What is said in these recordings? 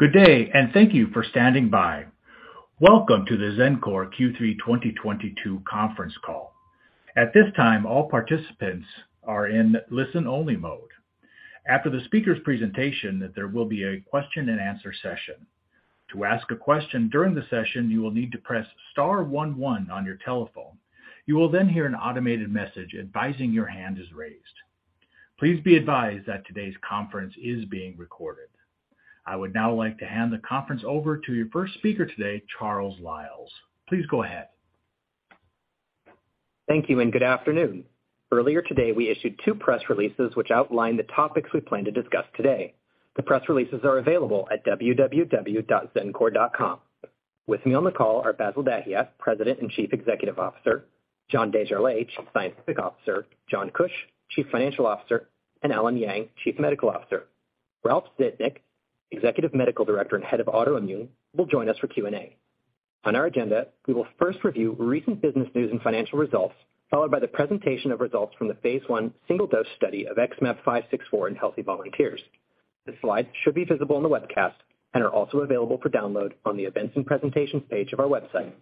Good day, and thank you for standing by. Welcome to the Xencor Q3 2022 conference call. At this time, all participants are in listen-only mode. After the speaker's presentation, there will be a question and answer session. To ask a question during the session, you will need to press star one one on your telephone. You will then hear an automated message advising your hand is raised. Please be advised that today's conference is being recorded. I would now like to hand the conference over to your first speaker today, Charles Liles. Please go ahead. Thank you and good afternoon. Earlier today, we issued two press releases which outlined the topics we plan to discuss today. The press releases are available at www.xencor.com. With me on the call are Bassil Dahiyat, President and Chief Executive Officer, John Desjarlais, Chief Scientific Officer, John Kuch, Chief Financial Officer, and Allen Yang, Chief Medical Officer. Ralph Zitnik, Executive Medical Director and Head of Autoimmune will join us for Q&A. On our agenda, we will first review recent business news and financial results, followed by the presentation of results from the phase I single-dose study of XmAb564 in healthy volunteers. The slides should be visible on the webcast and are also available for download on the Events and Presentations page of our website.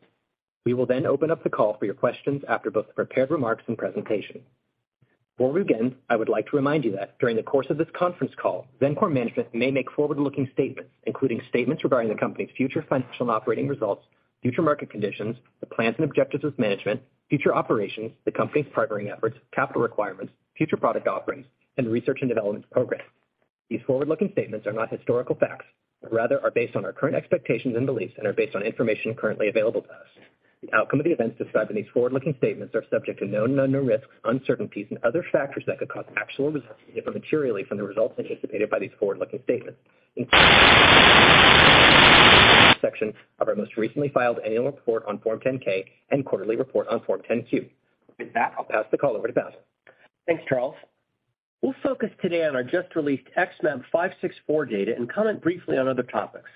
We will then open up the call for your questions after both the prepared remarks and presentation. Before we begin, I would like to remind you that during the course of this conference call, Xencor management may make forward-looking statements, including statements regarding the company's future financial and operating results, future market conditions, the plans and objectives of management, future operations, the company's partnering efforts, capital requirements, future product offerings, and research and development programs. These forward-looking statements are not historical facts, but rather are based on our current expectations and beliefs and are based on information currently available to us. The outcome of the events described in these forward-looking statements are subject to known and unknown risks, uncertainties, and other factors that could cause actual results to differ materially from the results anticipated by these forward-looking statements. In the Risk Factors section of our most recently filed Annual Report on Form 10-K and Quarterly Report on Form 10-Q. With that, I'll pass the call over to Bassil Dahiyat. Thanks, Charles. We'll focus today on our just-released XmAb564 data and comment briefly on other topics.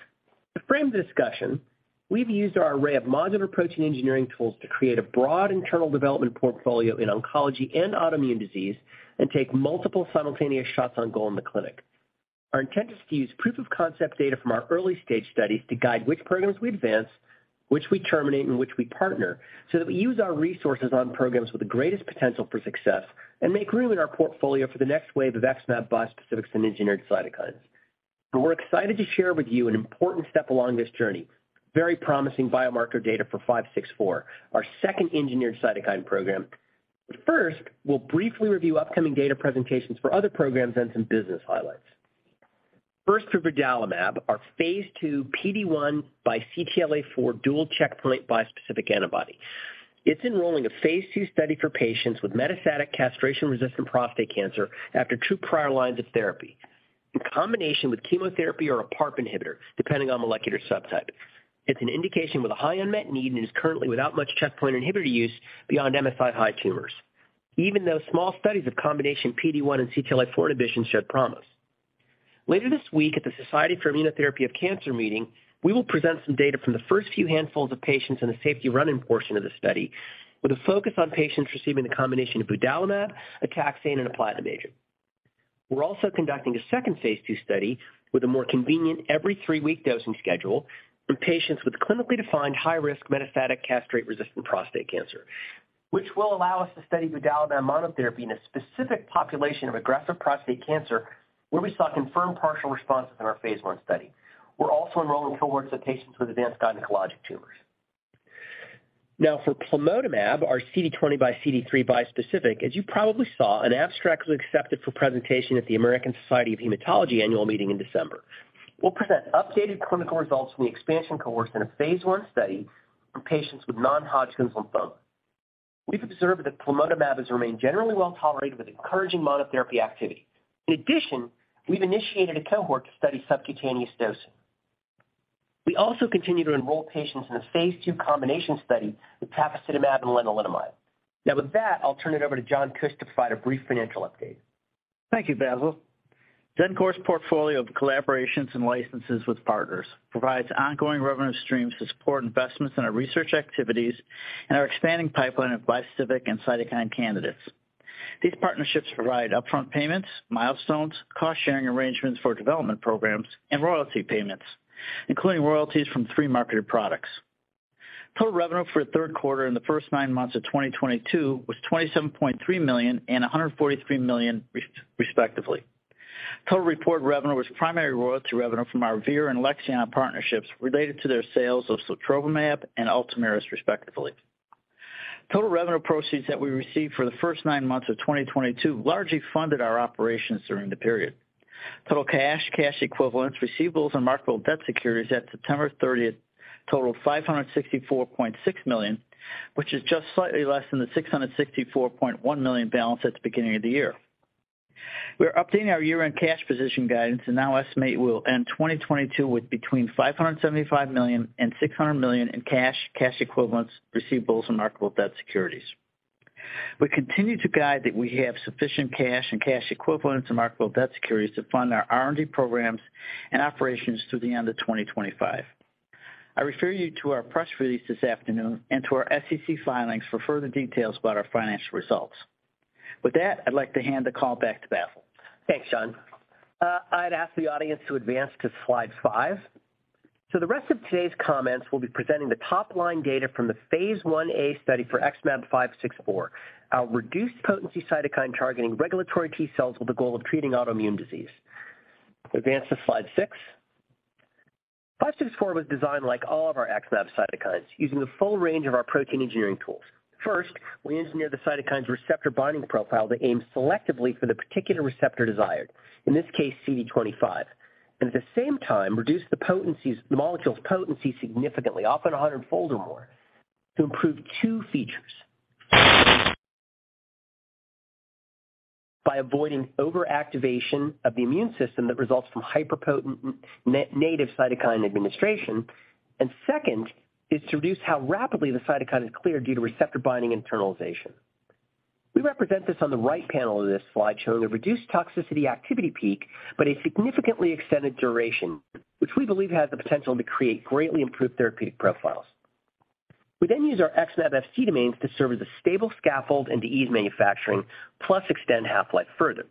To frame the discussion, we've used our array of modular protein engineering tools to create a broad internal development portfolio in oncology and autoimmune disease and take multiple simultaneous shots on goal in the clinic. Our intent is to use proof of concept data from our early-stage studies to guide which programs we advance, which we terminate, and which we partner, so that we use our resources on programs with the greatest potential for success and make room in our portfolio for the next wave of XmAb bispecifics and engineered cytokines. We're excited to share with you an important step along this journey, very promising biomarker data for XmAb564, our second engineered cytokine program. First, we'll briefly review upcoming data presentations for other programs and some business highlights. First, vudalimab, our phase II PD-1 x CTLA-4 dual checkpoint bispecific antibody. It's enrolling a phase II study for patients with metastatic castration-resistant prostate cancer after two prior lines of therapy, in combination with chemotherapy or a PARP inhibitor, depending on molecular subtype. It's an indication with a high unmet need and is currently without much checkpoint inhibitor use beyond MSI-high tumors, even though small studies of combination PD-1 and CTLA-4 inhibition showed promise. Later this week at the Society for Immunotherapy of Cancer meeting, we will present some data from the first few handfuls of patients in the safety run-in portion of the study with a focus on patients receiving the combination of vudalimab, cabazitaxel, and olaparib. We're also conducting a second phase II study with a more convenient every 3-week dosing schedule in patients with clinically defined high-risk metastatic castration-resistant prostate cancer, which will allow us to study vudalimab monotherapy in a specific population of aggressive prostate cancer where we saw confirmed partial responses in our phase I study. We're also enrolling cohorts of patients with advanced gynecologic tumors. Now for plamotamab, our CD20 x CD3 bispecific, as you probably saw, an abstract was accepted for presentation at the American Society of Hematology annual meeting in December. We'll present updated clinical results from the expansion cohorts in a phase I study for patients with non-Hodgkin's lymphoma. We've observed that plamotamab has remained generally well-tolerated with encouraging monotherapy activity. In addition, we've initiated a cohort to study subcutaneous dosing. We also continue to enroll patients in a phase II combination study with tafasitamab and lenalidomide. Now, with that, I'll turn it over to John Kuch to provide a brief financial update. Thank you, Bassil. Xencor's portfolio of collaborations and licenses with partners provides ongoing revenue streams to support investments in our research activities and our expanding pipeline of bispecific and cytokine candidates. These partnerships provide upfront payments, milestones, cost-sharing arrangements for development programs, and royalty payments, including royalties from three marketed products. Total revenue for the third quarter and the first nine months of 2022 was $27.3 million and $143 million respectively. Total reported revenue was primarily royalty revenue from our Vir and Alexion partnerships related to their sales of sotrovimab and Ultomiris respectively. Total revenue proceeds that we received for the first nine months of 2022 largely funded our operations during the period. Total cash equivalents, receivables, and marketable debt securities at September 30 totaled $564.6 million, which is just slightly less than the $664.1 million balance at the beginning of the year. We are updating our year-end cash position guidance and now estimate we will end 2022 with between $575 million-$600 million in cash equivalents, receivables, and marketable debt securities. We continue to guide that we have sufficient cash and cash equivalents and marketable debt securities to fund our R&D programs and operations through the end of 2025. I refer you to our press release this afternoon and to our SEC filings for further details about our financial results. With that, I'd like to hand the call back to Bassil. Thanks, John. I'd ask the audience to advance to slide 5. The rest of today's comments will be presenting the top-line data from the phase Ia study for XmAb564, our reduced potency cytokine targeting regulatory T cells with the goal of treating autoimmune disease. Advance to slide 6. 564 was designed like all of our XmAb cytokines, using the full range of our protein engineering tools. First, we engineer the cytokine's receptor binding profile to aim selectively for the particular receptor desired, in this case CD25, and at the same time reduce the potency's, the molecule's potency significantly, often a hundredfold or more, to improve two features. By avoiding overactivation of the immune system that results from hyperpotent native cytokine administration, and second is to reduce how rapidly the cytokine is cleared due to receptor binding internalization. We represent this on the right panel of this slide, showing a reduced toxicity activity peak but a significantly extended duration, which we believe has the potential to create greatly improved therapeutic profiles. We then use our XmAb Fc domains to serve as a stable scaffold and to ease manufacturing plus extend half-life further.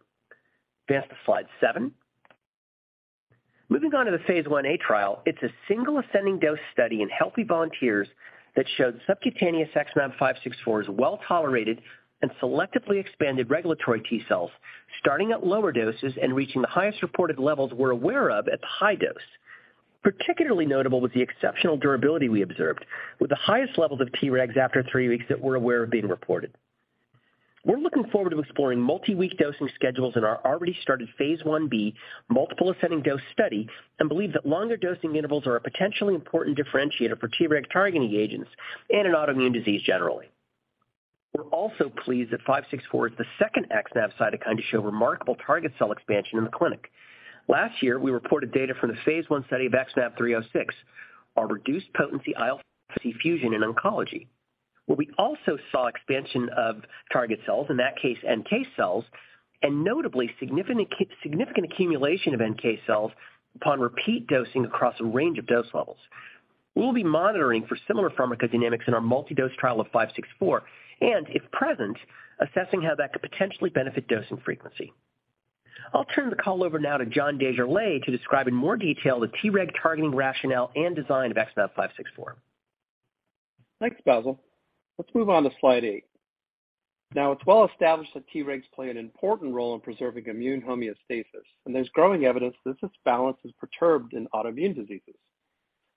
Advance to slide 7. Moving on to the phase Ia trial, it's a single ascending dose study in healthy volunteers that showed subcutaneous XmAb564 is well-tolerated and selectively expanded regulatory T cells, starting at lower doses and reaching the highest reported levels we're aware of at the high dose. Particularly notable was the exceptional durability we observed with the highest levels of Tregs after three weeks that we're aware of being reported. We're looking forward to exploring multi-week dosing schedules in our already started phase Ib multiple ascending dose study and believe that longer dosing intervals are a potentially important differentiator for Treg targeting agents and in autoimmune disease generally. We're also pleased that XmAb564 is the second XmAb cytokine to show remarkable target cell expansion in the clinic. Last year, we reported data from the phase I study of XmAb306, our reduced potency IL-15 fusion in oncology, where we also saw expansion of target cells, in that case, NK cells, and notably significant accumulation of NK cells upon repeat dosing across a range of dose levels. We'll be monitoring for similar pharmacodynamics in our multi-dose trial of XmAb564, and if present, assessing how that could potentially benefit dosing frequency. I'll turn the call over now to John Desjarlais to describe in more detail the Treg targeting rationale and design of XmAb564. Thanks, Bassil. Let's move on to slide 8. Now, it's well established that Tregs play an important role in preserving immune homeostasis, and there's growing evidence that this balance is perturbed in autoimmune diseases.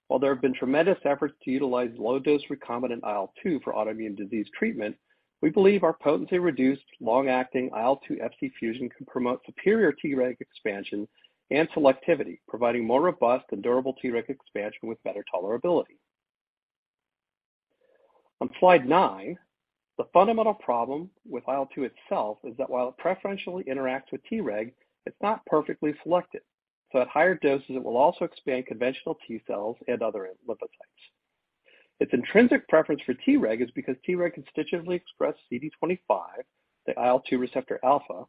While there have been tremendous efforts to utilize low-dose recombinant IL-2 for autoimmune disease treatment, we believe our potency reduced long-acting IL-2 Fc fusion can promote superior Treg expansion and selectivity, providing more robust and durable Treg expansion with better tolerability. On slide 9, the fundamental problem with IL-2 itself is that while it preferentially interacts with Treg, it's not perfectly selective, so at higher doses it will also expand conventional T cells and other lymphocytes. Its intrinsic preference for Treg is because Treg constitutively express CD25, the IL-2 receptor alpha,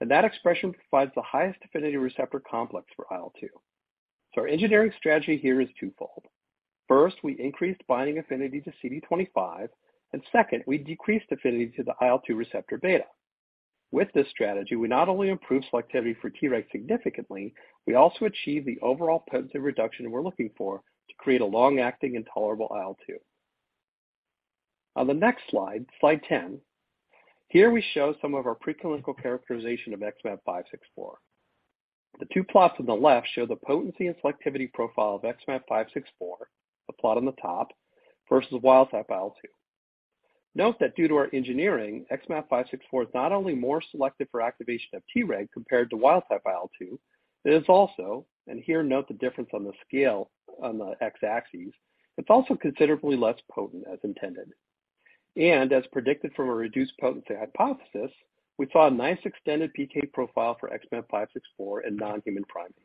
and that expression provides the highest affinity receptor complex for IL-2. Our engineering strategy here is twofold. First, we increased binding affinity to CD25, and second, we decreased affinity to the IL-2 receptor beta. With this strategy, we not only improve selectivity for Treg significantly, we also achieve the overall potency reduction we're looking for to create a long-acting and tolerable IL-2. On the next slide 10, here we show some of our preclinical characterization of XmAb564. The two plots on the left show the potency and selectivity profile of XmAb564, the plot on the top, versus wild-type IL-2. Note that due to our engineering, XmAb564 is not only more selective for activation of Treg compared to wild-type IL-2, it is also, and here note the difference on the scale on the x-axis, it's also considerably less potent as intended. As predicted from a reduced potency hypothesis, we saw a nice extended PK profile for XmAb564 in non-human primates.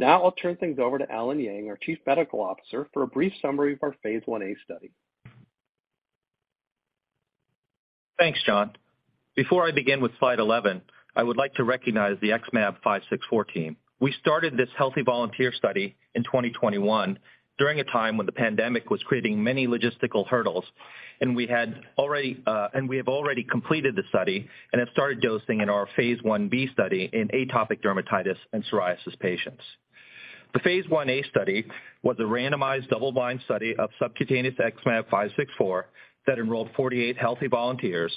Now I'll turn things over to Allen Yang, our Chief Medical Officer, for a brief summary of our phase Ia study. Thanks, John. Before I begin with slide 11, I would like to recognize the XmAb564 team. We started this healthy volunteer study in 2021 during a time when the pandemic was creating many logistical hurdles, and we have already completed the study and have started dosing in our phase Ib study in atopic dermatitis and psoriasis patients. The phase Ia study was a randomized double-blind study of subcutaneous XmAb564 that enrolled 48 healthy volunteers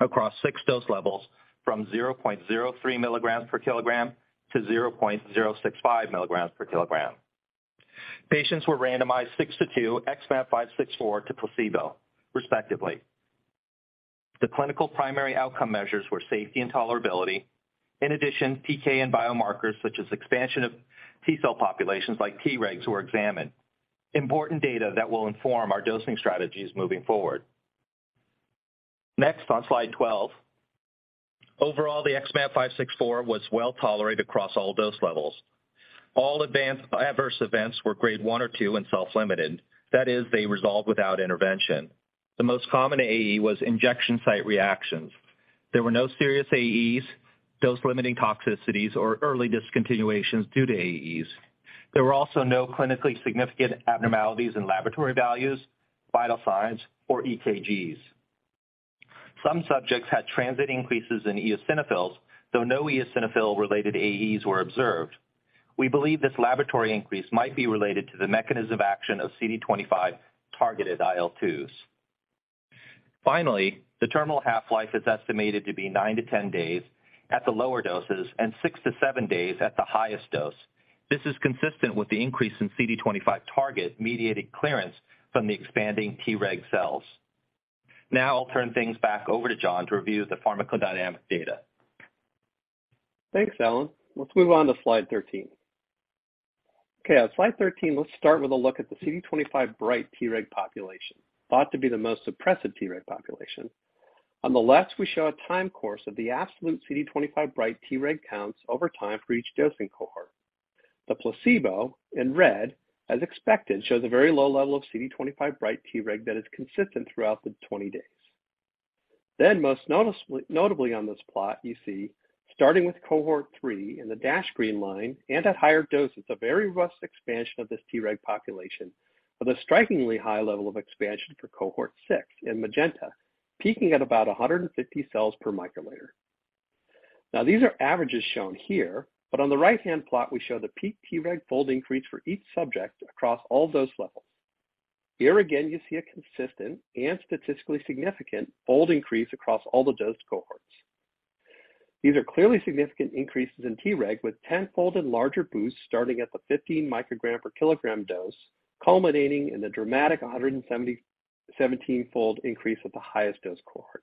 across 6 dose levels from 0.03 milligrams per kilogram to 0.065 milligrams per kilogram. Patients were randomized 6 to 2 XmAb564 to placebo, respectively. The clinical primary outcome measures were safety and tolerability. In addition, PK and biomarkers such as expansion of T cell populations like Tregs were examined, important data that will inform our dosing strategies moving forward. Next, on slide 12. Overall, the XmAb564 was well-tolerated across all dose levels. All adverse events were grade 1 or 2 and self-limited, that is, they resolved without intervention. The most common AE was injection site reactions. There were no serious AEs, dose-limiting toxicities, or early discontinuations due to AEs. There were also no clinically significant abnormalities in laboratory values, vital signs, or EKGs. Some subjects had transient increases in eosinophils, though no eosinophil-related AEs were observed. We believe this laboratory increase might be related to the mechanism of action of CD25-targeted IL-2s. Finally, the terminal half-life is estimated to be 9-10 days at the lower doses and 6-7 days at the highest dose. This is consistent with the increase in CD25 target-mediated clearance from the expanding Treg cells. Now I'll turn things back over to John to review the pharmacodynamic data. Thanks, Allen. Let's move on to slide 13. Okay, on slide 13, let's start with a look at the CD25 bright Treg population, thought to be the most suppressive Treg population. On the left, we show a time course of the absolute CD25 bright Treg counts over time for each dosing cohort. The placebo in red, as expected, shows a very low level of CD25 bright Treg that is consistent throughout the 20 days. Most noticeably, notably on this plot, you see, starting with cohort 3 in the dashed green line and at higher doses, a very robust expansion of this Treg population with a strikingly high level of expansion for cohort 6 in magenta, peaking at about 150 cells per microliter. These are averages shown here, but on the right-hand plot we show the peak Treg fold increase for each subject across all dose levels. Here again, you see a consistent and statistically significant fold increase across all the dosed cohorts. These are clearly significant increases in Treg, with tenfold and larger boosts starting at the 15 microgram per kilogram dose, culminating in the dramatic 177-fold increase at the highest dose cohort.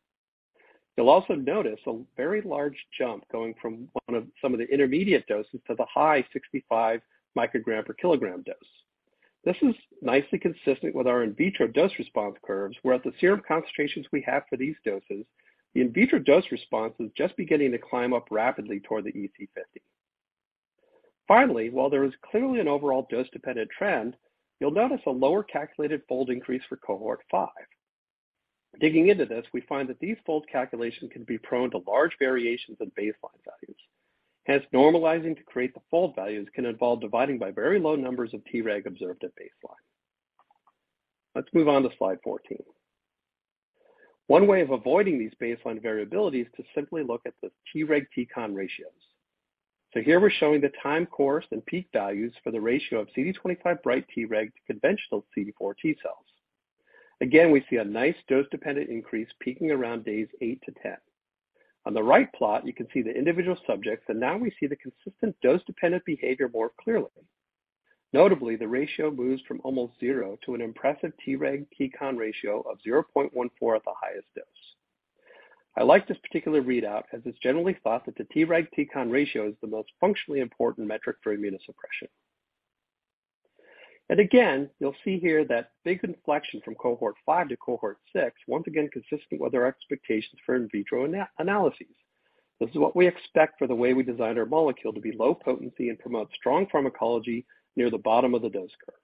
You'll also notice a very large jump going from one of some of the intermediate doses to the high 65 microgram per kilogram dose. This is nicely consistent with our in vitro dose response curves, where at the serum concentrations we have for these doses, the in vitro dose response is just beginning to climb up rapidly toward the EC50. Finally, while there is clearly an overall dose-dependent trend, you'll notice a lower calculated fold increase for cohort 5. Digging into this, we find that these fold calculations can be prone to large variations in baseline values. Hence, normalizing to create the fold values can involve dividing by very low numbers of Treg observed at baseline. Let's move on to slide 14. One way of avoiding these baseline variabilities is to simply look at the Treg Tcon ratios. Here we're showing the time course and peak values for the ratio of CD25 bright Treg to conventional CD4 T cells. Again, we see a nice dose-dependent increase peaking around days 8-10. On the right plot, you can see the individual subjects, and now we see the consistent dose-dependent behavior more clearly. Notably, the ratio moves from almost zero to an impressive Treg Tcon ratio of 0.14 at the highest dose. I like this particular readout, as it's generally thought that the Treg Tcon ratio is the most functionally important metric for immunosuppression. Again, you'll see here that big inflection from cohort 5 to cohort 6 once again consistent with our expectations for in vitro analysis. This is what we expect for the way we design our molecule to be low potency and promote strong pharmacology near the bottom of the dose curve.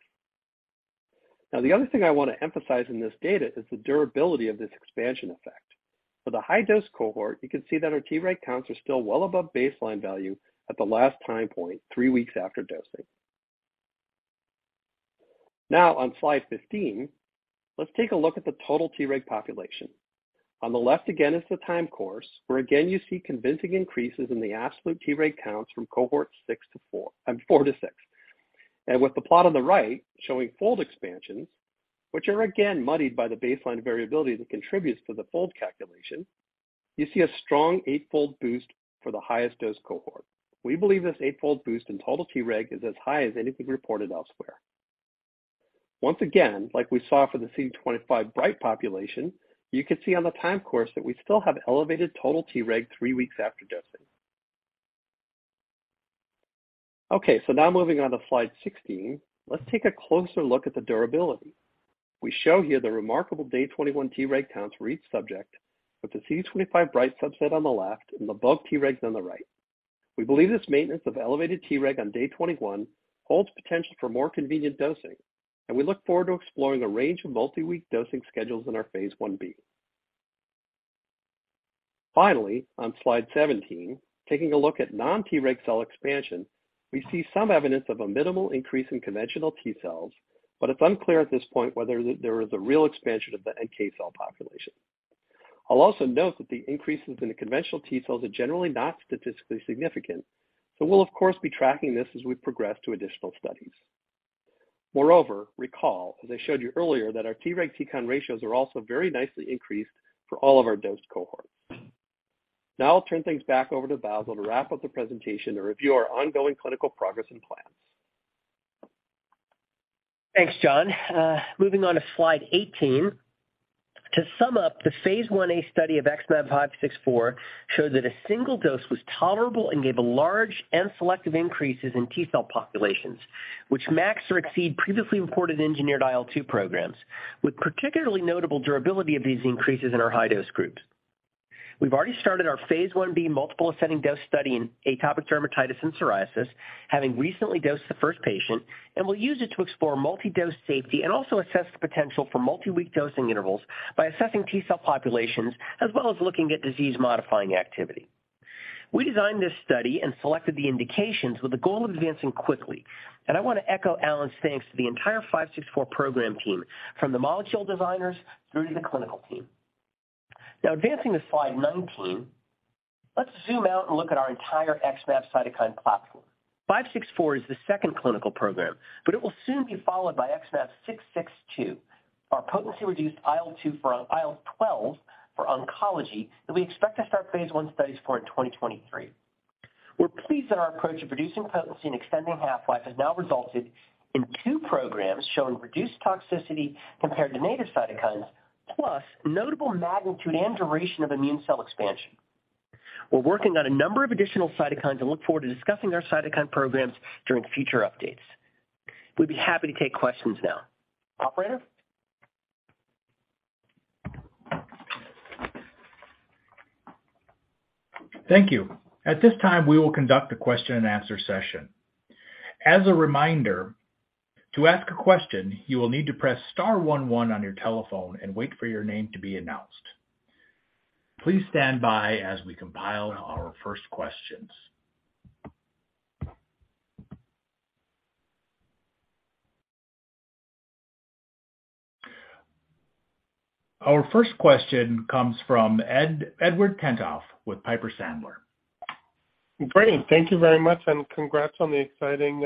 Now, the other thing I want to emphasize in this data is the durability of this expansion effect. For the high dose cohort, you can see that our Treg counts are still well above baseline value at the last time point, 3 weeks after dosing. Now on slide 15, let's take a look at the total Treg population. On the left again is the time course, where again you see convincing increases in the absolute Treg counts from cohort 4 to 6. With the plot on the right showing fold expansions, which are again muddied by the baseline variability that contributes to the fold calculation, you see a strong 8-fold boost for the highest dose cohort. We believe this 8-fold boost in total Treg is as high as anything reported elsewhere. Once again, like we saw for the CD25 bright population, you can see on the time course that we still have elevated total Treg 3 weeks after dosing. Okay, now moving on to slide 16. Let's take a closer look at the durability. We show here the remarkable day 21 Treg counts for each subject with the CD25 bright subset on the left and the bulk Tregs on the right. We believe this maintenance of elevated Treg on day 21 holds potential for more convenient dosing, and we look forward to exploring a range of multi-week dosing schedules in our phase Ib. Finally, on slide 17, taking a look at non-Treg cell expansion, we see some evidence of a minimal increase in conventional T cells, but it's unclear at this point whether there is a real expansion of the NK cell population. I'll also note that the increases in the conventional T cells are generally not statistically significant, so we'll of course be tracking this as we progress to additional studies. Moreover, recall, as I showed you earlier, that our Treg Tcon ratios are also very nicely increased for all of our dosed cohorts. Now I'll turn things back over to Bassil to wrap up the presentation and review our ongoing clinical progress and plans. Thanks, John. Moving on to slide 18. To sum up, the phase Ia study of XmAb564 showed that a single dose was tolerable and gave large and selective increases in T cell populations, which match or exceed previously reported engineered IL-2 programs, with particularly notable durability of these increases in our high dose groups. We've already started our phase Ib multiple ascending dose study in atopic dermatitis and psoriasis, having recently dosed the first patient, and we'll use it to explore multi-dose safety and also assess the potential for multi-week dosing intervals by assessing T cell populations as well as looking at disease-modifying activity. We designed this study and selected the indications with the goal of advancing quickly. I want to echo Allen's thanks to the entire XmAb564 program team, from the molecule designers through to the clinical team. Now advancing to slide 19, let's zoom out and look at our entire XmAb564. XmAb564 is the second clinical program, but it will soon be followed by XmAb662, our potency-reduced IL-12 for oncology that we expect to start phase I studies for in 2023. We're pleased that our approach of reducing potency and extending half-life has now resulted in two programs showing reduced toxicity compared to native cytokines, plus notable magnitude and duration of immune cell expansion. We're working on a number of additional cytokines and look forward to discussing our cytokine programs during future updates. We'd be happy to take questions now. Operator? Thank you. At this time, we will conduct a question and answer session. As a reminder, to ask a question, you will need to press star one one on your telephone and wait for your name to be announced. Please stand by as we compile our first questions. Our first question comes from Edward Tenthoff with Piper Sandler. Great. Thank you very much, and congrats on the exciting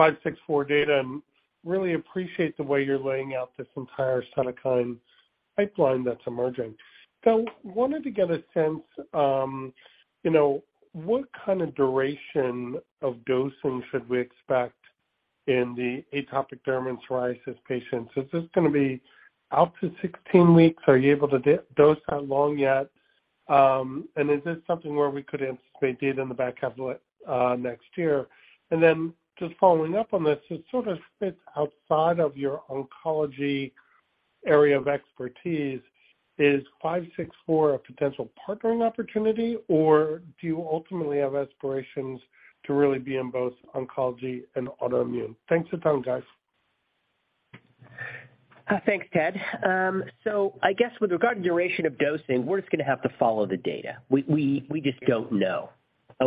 five six four data, and really appreciate the way you're laying out this entire cytokine pipeline that's emerging. Wanted to get a sense, you know, what kind of duration of dosing should we expect in the atopic derm and psoriasis patients? Is this gonna be out to 16 weeks? Are you able to dose that long yet? And is this something where we could anticipate data in the back half of next year? Just following up on this sort of fits outside of your oncology area of expertise. Is five six four a potential partnering opportunity, or do you ultimately have aspirations to really be in both oncology and autoimmune? Thanks a ton, guys. Thanks, Ed. I guess with regard to duration of dosing, we're just gonna have to follow the data. We just don't know.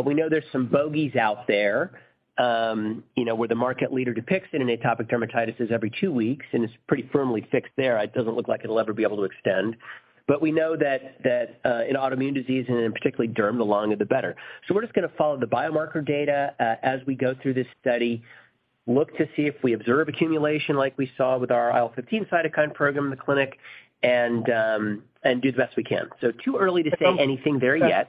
We know there's some bogeys out there, you know, where the market leader Dupixent in atopic dermatitis is every two weeks, and it's pretty firmly fixed there. It doesn't look like it'll ever be able to extend. We know that in autoimmune disease and in particularly derm, the longer the better. We're just gonna follow the biomarker data as we go through this study, look to see if we observe accumulation like we saw with our IL-15 cytokine program in the clinic, and do the best we can. Too early to say anything there yet.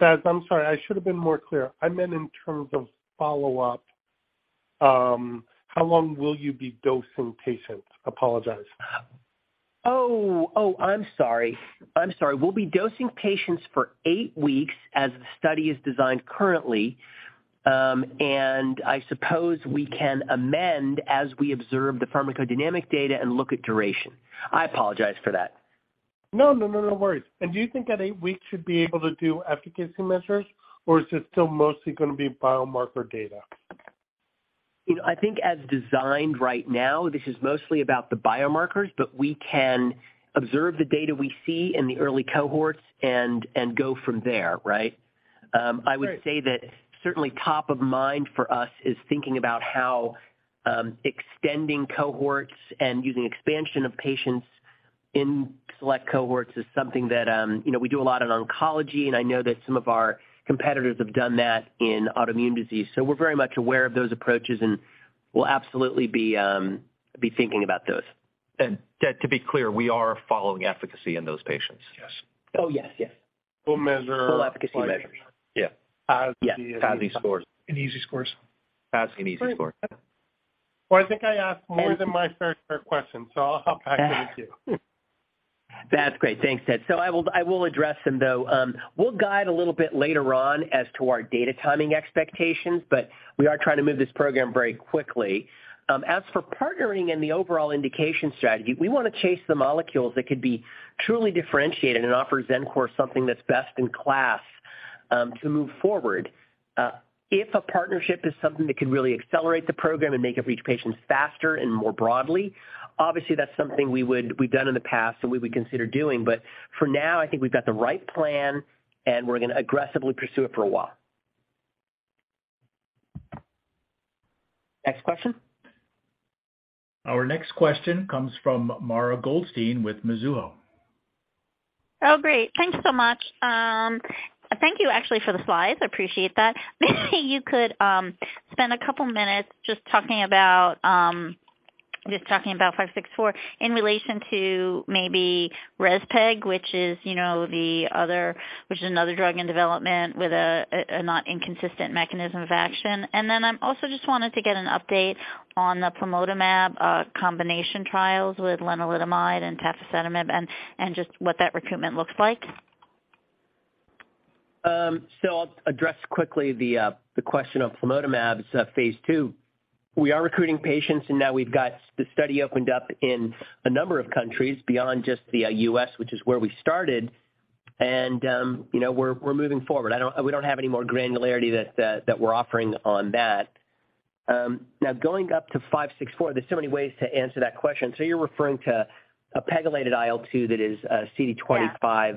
Yes, I'm sorry, I should have been more clear. I meant in terms of follow-up, how long will you be dosing patients? Oh, I'm sorry. We'll be dosing patients for 8 weeks as the study is designed currently, and I suppose we can amend as we observe the pharmacodynamic data and look at duration. I apologize for that. No, no, no worries. Do you think at 8 weeks you'll be able to do efficacy measures, or is it still mostly gonna be biomarker data? You know, I think as designed right now, this is mostly about the biomarkers, but we can observe the data we see in the early cohorts and go from there, right? Right. I would say that certainly top of mind for us is thinking about how extending cohorts and using expansion of patients in select cohorts is something that, you know, we do a lot in oncology, and I know that some of our competitors have done that in autoimmune disease. We're very much aware of those approaches, and we'll absolutely be thinking about those. Ed, to be clear, we are following efficacy in those patients. Yes. Oh, yes. We'll measure. Full efficacy measures. Yeah. As the- Yes. EASI scores. EASI scores. EASI scores. Well, I think I asked more than my fair share of questions, so I'll hop back to the queue. That's great. Thanks, Ted. I will address them, though. We'll guide a little bit later on as to our data timing expectations, but we are trying to move this program very quickly. As for partnering and the overall indication strategy, we wanna chase the molecules that could be truly differentiated and offer Xencor something that's best in class, to move forward. If a partnership is something that could really accelerate the program and make it reach patients faster and more broadly, obviously, that's something we've done in the past and we would consider doing. For now, I think we've got the right plan, and we're gonna aggressively pursue it for a while. Next question. Our next question comes from Mara Goldstein with Mizuho. Oh, great. Thank you so much. Thank you actually for the slides. I appreciate that. Maybe you could spend a couple minutes just talking about XmAb564 in relation to maybe rezpegaldesleukin, which is, you know, another drug in development with a not inconsistent mechanism of action. Then I'm also just wanted to get an update on the plamotamab combination trials with lenalidomide and tafasitamab and just what that recruitment looks like. I'll address quickly the question of Plamotamab's phase II. We are recruiting patients, and now we've got the study opened up in a number of countries beyond just the U.S. which is where we started. You know, we're moving forward. We don't have any more granularity that we're offering on that. Now going up to XmAb564, there's so many ways to answer that question. You're referring to a pegylated IL-2 that is CD25- Yeah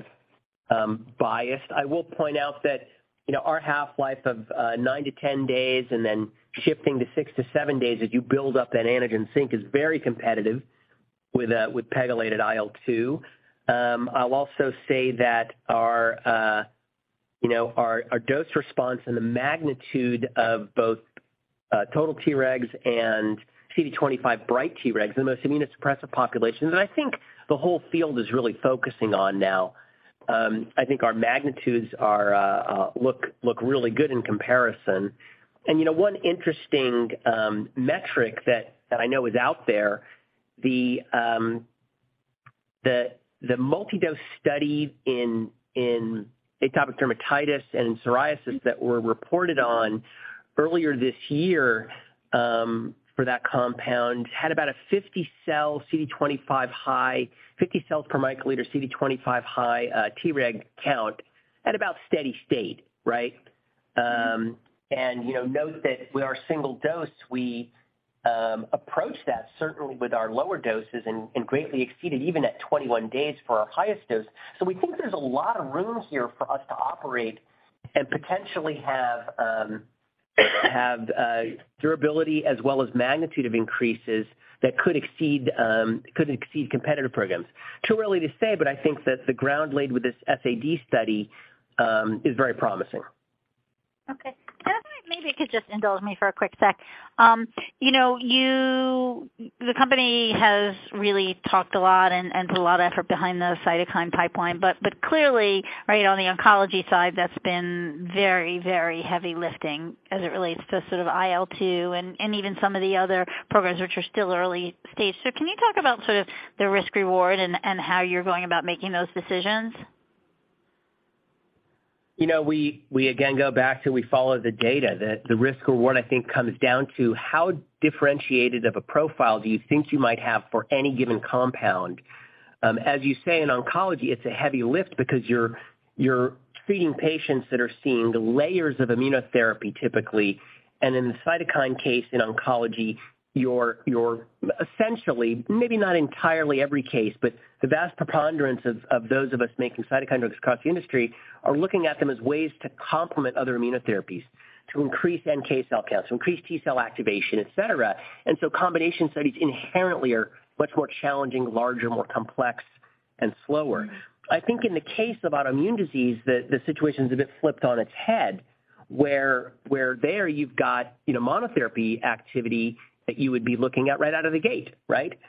I'm biased. I will point out that, you know, our half-life of 9-10 days and then shifting to 6-7 days as you build up that antigen sink is very competitive with pegylated IL-2. I'll also say that our, you know, our dose response and the magnitude of both total Tregs and CD25 bright Tregs, the most immunosuppressive population that I think the whole field is really focusing on now. I think our magnitudes are looking really good in comparison. You know, one interesting metric that I know is out there, the multi-dose study in atopic dermatitis and psoriasis that were reported on earlier this year, for that compound had about a 50 cell CD25 high, 50 cells per microliter CD25 high, Treg count at about steady state, right? You know, note that with our single dose, we approach that certainly with our lower doses and greatly exceeded even at 21 days for our highest dose. We think there's a lot of room here for us to operate and potentially have durability as well as magnitude of increases that could exceed competitive programs. Too early to say, but I think that the ground laid with this SAD study is very promising. Okay. Maybe you could just indulge me for a quick sec. You know, the company has really talked a lot and put a lot of effort behind the cytokine pipeline. But clearly, right on the oncology side, that's been very, very heavy lifting as it relates to sort of IL-2 and even some of the other programs which are still early stage. Can you talk about sort of the risk reward and how you're going about making those decisions? You know, we again go back to we follow the data. The risk reward, I think, comes down to how differentiated of a profile do you think you might have for any given compound. As you say, in oncology, it's a heavy lift because you're treating patients that are seeing layers of immunotherapy, typically. In the cytokine case, in oncology, you're essentially, maybe not entirely every case, but the vast preponderance of those of us making cytokines across the industry are looking at them as ways to complement other immunotherapies to increase NK cell counts, to increase T-cell activation, et cetera. Combination studies inherently are much more challenging, larger, more complex and slower. I think in the case of autoimmune disease, the situation's a bit flipped on its head, where there you've got, you know, monotherapy activity that you would be looking at right out of the gate, right? Yeah.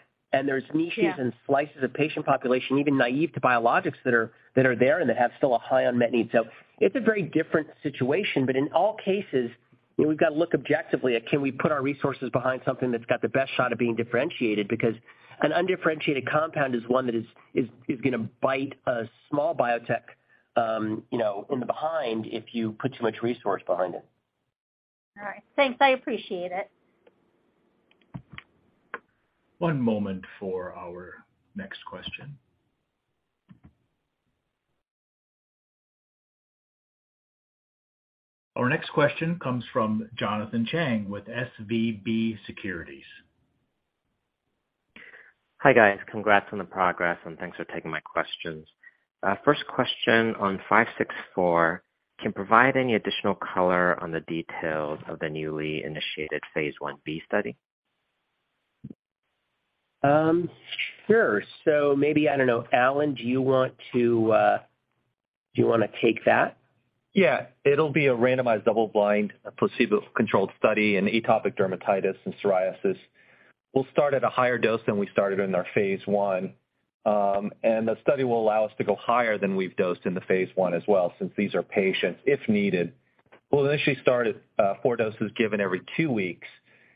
There's niches and slices of patient population, even naive to biologics that are there and that have still a high unmet need. It's a very different situation. In all cases, you know, we've got to look objectively at can we put our resources behind something that's got the best shot of being differentiated because an undifferentiated compound is one that is gonna bite a small biotech, you know, in the behind if you put too much resource behind it. All right, thanks. I appreciate it. One moment for our next question. Our next question comes from Jonathan Chang with SVB Securities. Hi, guys. Congrats on the progress and thanks for taking my questions. First question on 564. Can you provide any additional color on the details of the newly initiated phase Ib study? Sure. Maybe, I don't know. Allen, do you want to, do you wanna take that? Yeah. It'll be a randomized double-blind, placebo-controlled study in atopic dermatitis and psoriasis. We'll start at a higher dose than we started in our phase I. The study will allow us to go higher than we've dosed in the phase I as well, since these are patients, if needed. We'll initially start at 4 doses given every 2 weeks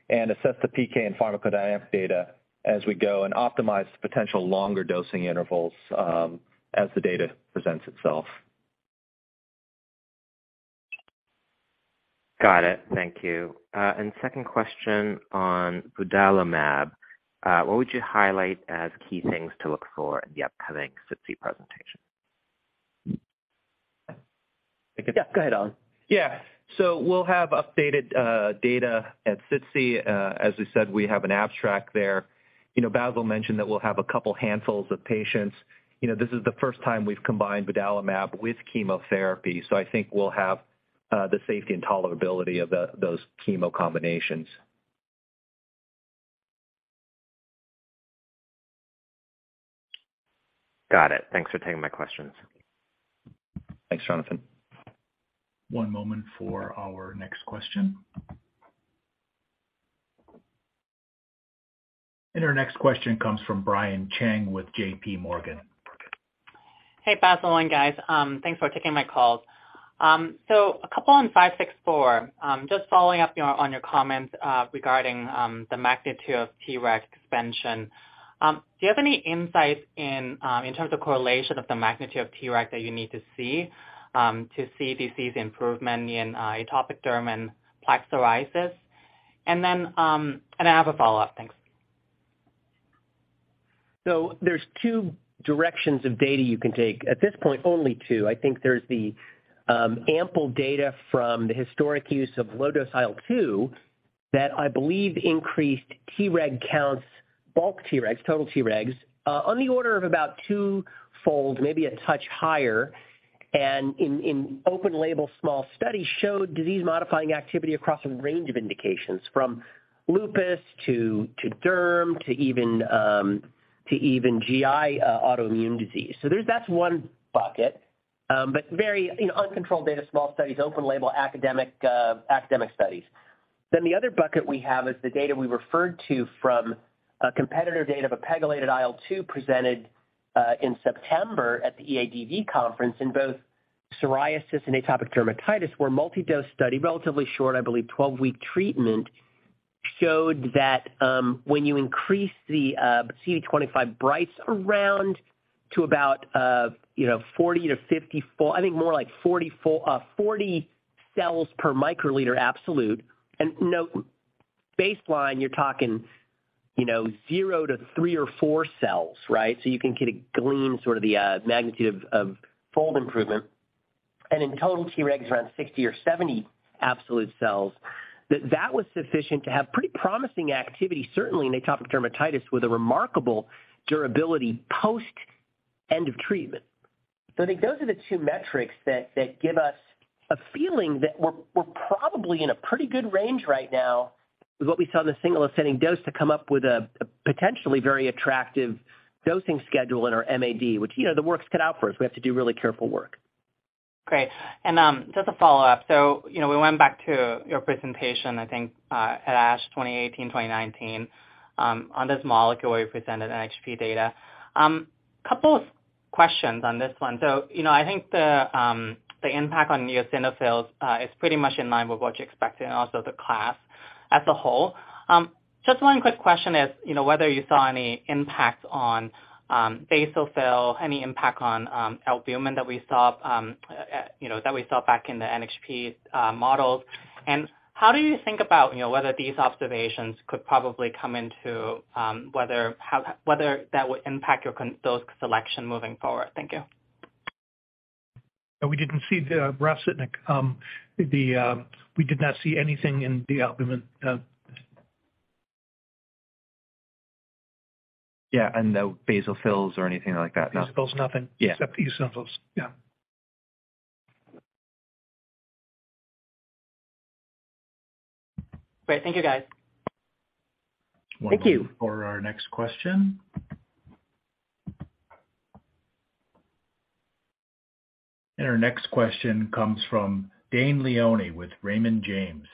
and assess the PK and pharmacodynamic data as we go and optimize potential longer dosing intervals, as the data presents itself. Got it. Thank you. Second question on vudalimab. What would you highlight as key things to look for in the upcoming SITC presentation? Yeah, go ahead, Allen. We'll have updated data at SITC. As we said, we have an abstract there. You know, Bassil mentioned that we'll have a couple handfuls of patients. You know, this is the first time we've combined vudalimab with chemotherapy. I think we'll have the safety and tolerability of those chemo combinations. Got it. Thanks for taking my questions. Thanks, Jonathan. One moment for our next question. Our next question comes from Brian Cheng with JPMorgan. Hey, Bassil and guys. Thanks for taking my calls. A couple on 564. Just following up on your comments regarding the magnitude of Treg expansion. Do you have any insights in terms of correlation of the magnitude of Treg that you need to see to see disease improvement in atopic derm and plaque psoriasis? Then I have a follow-up. Thanks. There's two directions of data you can take. At this point, only two. I think there's the ample data from the historic use of low-dose IL-2 that I believe increased Treg counts, bulk Tregs, total Tregs, on the order of about two-fold, maybe a touch higher. In open label small studies showed disease-modifying activity across a range of indications from lupus to derm to even GI autoimmune disease. That's one bucket. But very, you know, uncontrolled data, small studies, open label, academic studies. The other bucket we have is the data we referred to from competitor data of a pegylated IL-2 presented in September at the EADV conference in both psoriasis and atopic dermatitis, where multi-dose study, relatively short, I believe 12-week treatment, showed that when you increase the CD25 brights around to about, you know, 40 to 54-- I think more like 44 44 cells per microliter absolute. Note baseline, you're talking, you know, 0 to 3 or 4 cells, right? So you can get a glimpse sort of the magnitude of fold improvement. And in total Tregs around 60 or 70 absolute cells. That was sufficient to have pretty promising activity, certainly in atopic dermatitis, with a remarkable durability post end of treatment. I think those are the two metrics that give us a feeling that we're probably in a pretty good range right now with what we saw in the single ascending dose to come up with a potentially very attractive dosing schedule in our MAD, which, you know, the work's cut out for us. We have to do really careful work. Great. Just a follow-up. So, you know, we went back to your presentation, I think, at ASH 2018, 2019, on this molecule where you presented NHP data. Couple of questions on this one. So, you know, I think the impact on eosinophils is pretty much in line with what you expected and also the class as a whole. Just one quick question is, you know, whether you saw any impact on basophils, any impact on albumin that we saw, you know, that we saw back in the NHP models. How do you think about, you know, whether these observations could probably come into whether that would impact your dose selection moving forward? Thank you. No, we didn't see the Ralph Zitnik. We did not see anything in the albumin. Yeah, no basophils or anything like that? Basophils, nothing. Yeah. Except eosinophils. Yeah. Great. Thank you, guys. Thank you. One moment for our next question. Our next question comes from Dane Leone with Raymond James.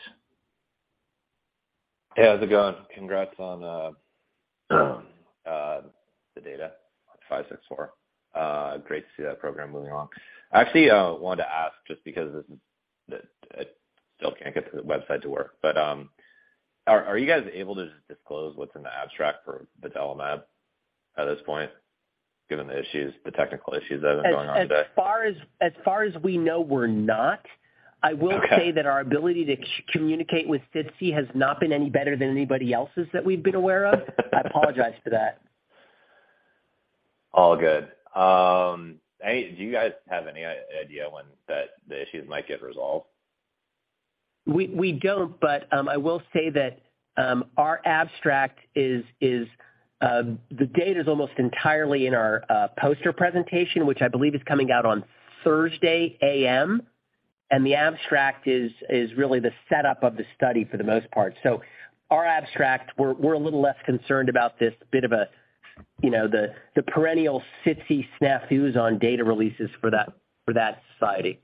Hey, how's it going? Congrats on the data, XmAb564. Great to see that program moving along. I actually wanted to ask just because I still can't get the website to work. Are you guys able to disclose what's in the abstract for batelimab at this point, given the issues, the technical issues that have been going on today? As far as we know, we're not. Okay. I will say that our ability to communicate with SITC has not been any better than anybody else's that we've been aware of. I apologize for that. All good. Hey, do you guys have any idea when the issues might get resolved? We don't, but I will say that our abstract is. The data's almost entirely in our poster presentation, which I believe is coming out on Thursday A.M. The abstract is really the setup of the study for the most part. Our abstract, we're a little less concerned about this bit of a, you know, the perennial SITC snafus on data releases for that society.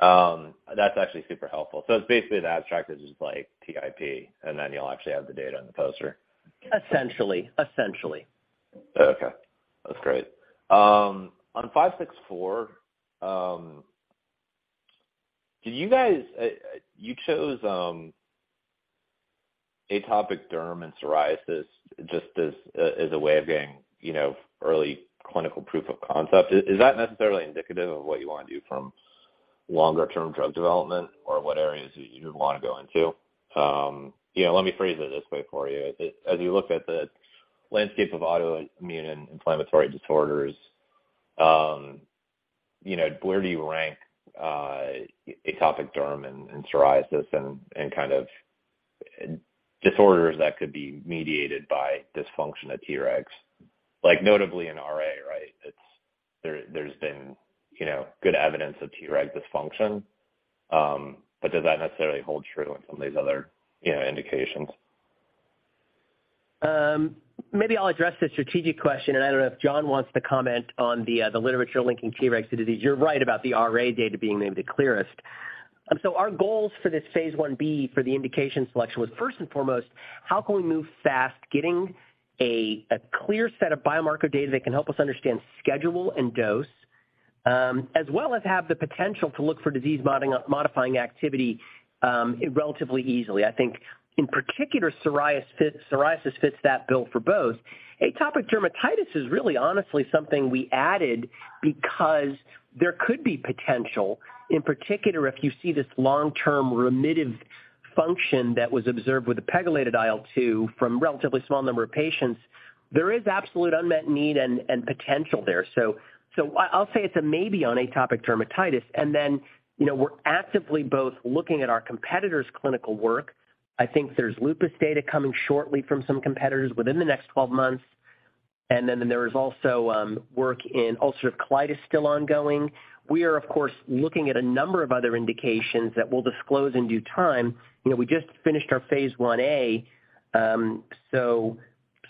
That's actually super helpful. It's basically the abstract is just like PIP, and then you'll actually have the data in the poster. Essentially. Okay. That's great. On XmAb564, you chose atopic derm and psoriasis just as a way of getting, you know, early clinical proof of concept. Is that necessarily indicative of what you wanna do from longer-term drug development or what areas you wanna go into? You know, let me phrase it this way for you. As you look at the landscape of autoimmune and inflammatory disorders, you know, where do you rank atopic derm and psoriasis and kind of disorders that could be mediated by dysfunction of Tregs? Like notably in RA, right? It's. There has been, you know, good evidence of Treg dysfunction. But does that necessarily hold true in some of these other, you know, indications? Maybe I'll address the strategic question, and I don't know if John wants to comment on the literature linking Tregs to disease. You're right about the RA data being maybe the clearest. Our goals for this phase Ib for the indication selection was first and foremost, how can we move fast getting a clear set of biomarker data that can help us understand schedule and dose, as well as have the potential to look for disease modifying activity, relatively easily. I think in particular, psoriasis fits that bill for both. Atopic dermatitis is really honestly something we added because there could be potential. In particular, if you see this long-term remittive function that was observed with the pegylated IL-2 from relatively small number of patients, there is absolute unmet need and potential there. I'll say it's a maybe on atopic dermatitis. You know, we're actively both looking at our competitors' clinical work. I think there's lupus data coming shortly from some competitors within the next 12 months. There is also work in ulcerative colitis still ongoing. We are of course looking at a number of other indications that we'll disclose in due time. You know, we just finished our phase I A, so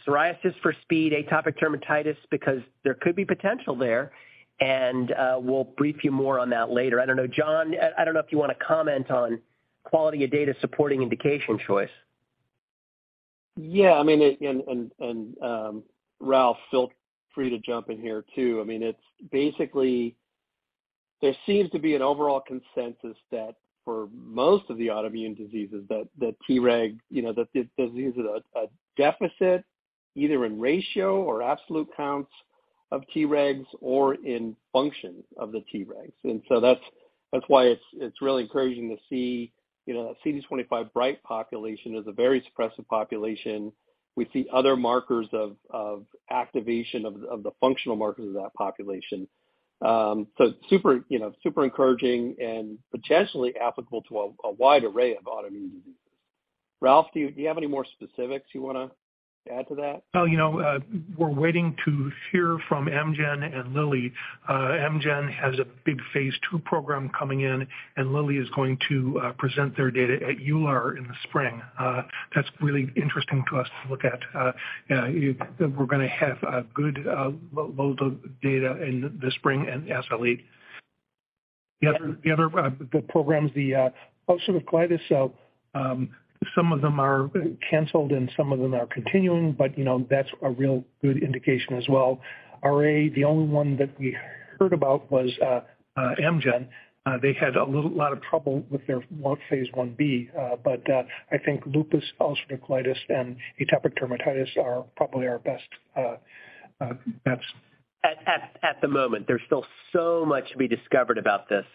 psoriasis for speed, atopic dermatitis because there could be potential there, and we'll brief you more on that later. I don't know, John, I don't know if you wanna comment on quality of data supporting indication choice. Yeah, I mean, Ralph, feel free to jump in here too. I mean, it's basically there seems to be an overall consensus that for most of the autoimmune diseases that Treg, you know, the disease is a deficit either in ratio or absolute counts of Tregs or in function of the Tregs. That's why it's really encouraging to see, you know, CD25 bright population is a very suppressive population. We see other markers of activation of the functional markers of that population. So super, you know, super encouraging and potentially applicable to a wide array of autoimmune diseases. Ralph, do you have any more specifics you wanna add to that? Well, you know, we're waiting to hear from Amgen and Lilly. Amgen has a big phase two program coming in, and Lilly is going to present their data at EULAR in the spring. That's really interesting to us to look at. Yeah, we're gonna have a good load of data in the spring and as are we. The other programs, the ulcerative colitis, some of them are canceled and some of them are continuing, but you know, that's a real good indication as well. RA, the only one that we heard about was Amgen. They had a lot of trouble with their phase one B, but I think lupus, ulcerative colitis, and atopic dermatitis are probably our best bets. At the moment. There's still so much to be discovered about this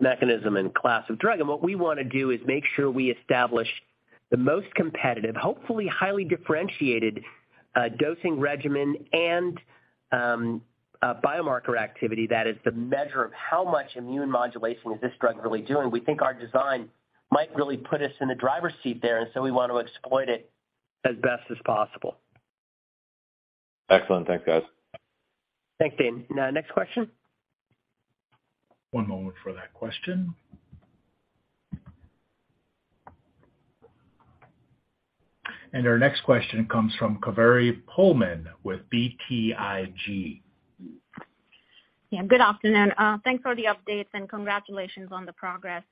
mechanism and class of drug. What we wanna do is make sure we establish the most competitive, hopefully highly differentiated, dosing regimen and a biomarker activity that is the measure of how much immune modulation is this drug really doing. We think our design might really put us in the driver's seat there, and so we want to exploit it as best as possible. Excellent. Thanks, guys. Thanks, Dane. Next question. One moment for that question. Our next question comes from Kaveri Pohlman with BTIG. Yeah, good afternoon. Thanks for the updates, and congratulations on the progress.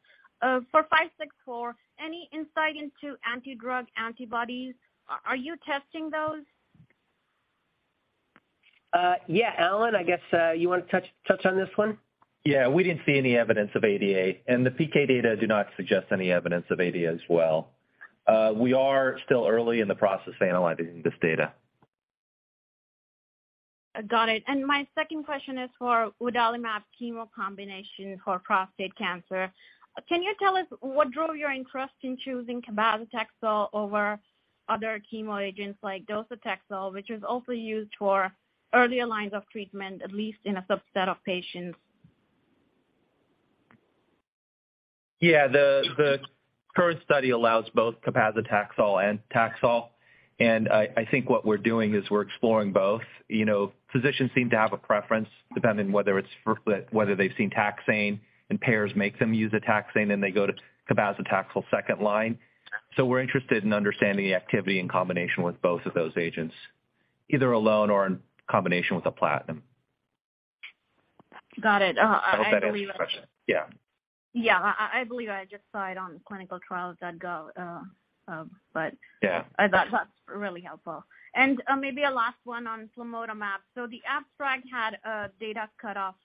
For five six four, any insight into anti-drug antibodies? Are you testing those? Yeah. Allen, I guess, you wanna touch on this one? Yeah. We didn't see any evidence of ADA, and the PK data do not suggest any evidence of ADA as well. We are still early in the process of analyzing this data. Got it. My second question is for vudalimab chemo combination for prostate cancer. Can you tell us what drove your interest in choosing cabazitaxel over other chemo agents like docetaxel, which is also used for earlier lines of treatment, at least in a subset of patients? Yeah. The current study allows both cabazitaxel and Taxol, and I think what we're doing is we're exploring both. You know, physicians seem to have a preference depending on whether they've seen taxane and it appears make them use a taxane, then they go to cabazitaxel second line. We're interested in understanding the activity in combination with both of those agents, either alone or in combination with a platinum. Got it. I hope that answers your question. Yeah. Yeah. I believe I just saw it on ClinicalTrials.gov, but Yeah. That's really helpful. Maybe a last one on plamotamab. The abstract had a data cutoff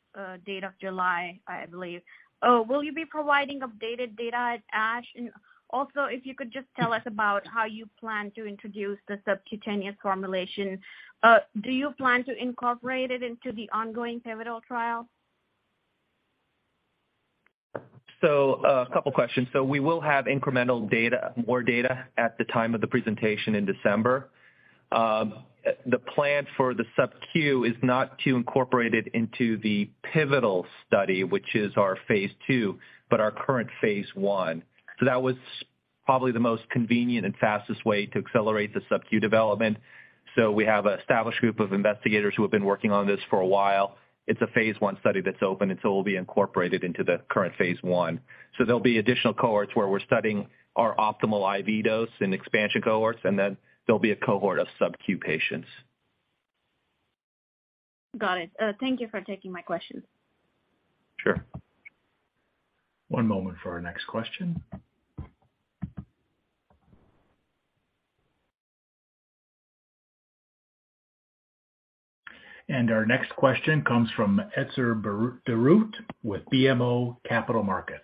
date of July, I believe. Will you be providing updated data at ASH? Also, if you could just tell us about how you plan to introduce the subcutaneous formulation. Do you plan to incorporate it into the ongoing pivotal trial? A couple questions. We will have incremental data, more data at the time of the presentation in December. The plan for the sub-Q is not to incorporate it into the pivotal study, which is our phase II, but our current phase I. That was probably the most convenient and fastest way to accelerate the sub-Q development. We have established group of investigators who have been working on this for a while. It's a phase I study that's open, and it'll be incorporated into the current phase I. There'll be additional cohorts where we're studying our optimal IV dose and expansion cohorts, and then there'll be a cohort of sub-Q patients. Got it. Thank you for taking my questions. Sure. One moment for our next question. Our next question comes from Etzer Darout with BMO Capital Markets.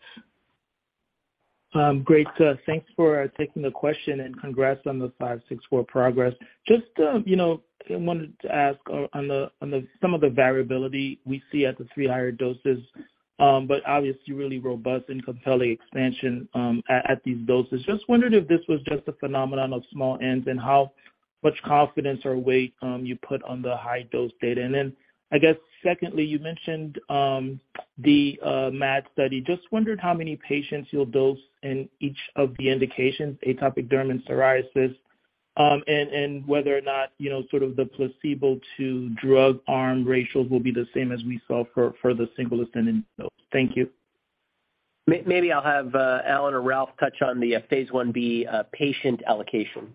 Great. Thanks for taking the question and congrats on the XmAb564 progress. Just, you know, I wanted to ask on some of the variability we see at the three higher doses, but obviously really robust and compelling expansion at these doses. Just wondered if this was just a phenomenon of small n's and how much confidence or weight you put on the high dose data. I guess secondly, you mentioned the MAD study. Just wondered how many patients you'll dose in each of the indications, atopic derm and psoriasis. Whether or not, you know, sort of the placebo to drug arm ratios will be the same as we saw for the sintilimab. Thank you. Maybe I'll have Allen or Ralph touch on the phase Ib patient allocation.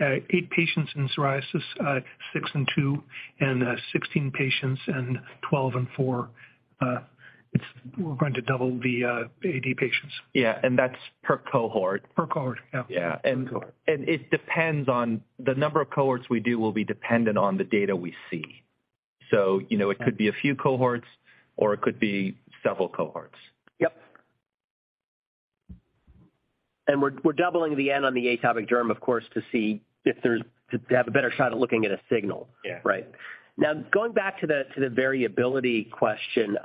8 patients in psoriasis, 6 and 2, and 16 patients and 12 and 4. We're going to double the AD patients. Yeah, that's per cohort. Per cohort, yeah. Yeah. Per cohort. The number of cohorts we do will be dependent on the data we see. You know Yeah. It could be a few cohorts or it could be several cohorts. Yep. We're doubling the N on the atopic dermatitis, of course, to have a better shot at looking at a signal. Yeah. Right. Now, going back to the variability question,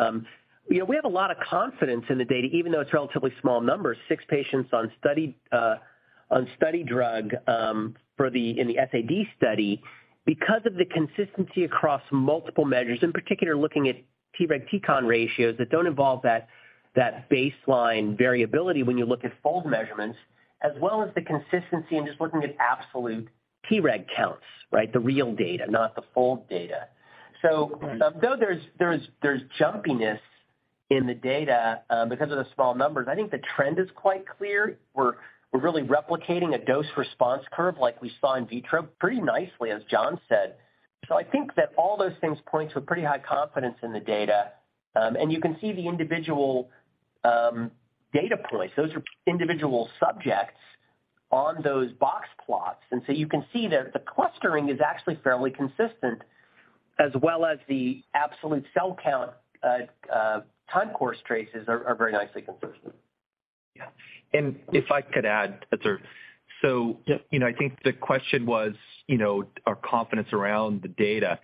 you know, we have a lot of confidence in the data, even though it's relatively small numbers, six patients on study, on study drug, in the SAD study. Because of the consistency across multiple measures, in particular looking at Treg Tcon ratios that don't involve that baseline variability when you look at fold measurements, as well as the consistency in just looking at absolute Treg counts, right? The real data, not the fold data. Right. Though there's jumpiness in the data because of the small numbers, I think the trend is quite clear. We're really replicating a dose-response curve like we saw in vitro pretty nicely, as John said. I think that all those things point to a pretty high confidence in the data, and you can see the individual data points. Those are individual subjects on those box plots. You can see the clustering is actually fairly consistent, as well as the absolute cell count time-course traces are very nicely consistent. Yeah. If I could add, sir. Yeah. You know, I think the question was, you know, our confidence around the data.